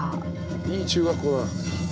いい中学校だ。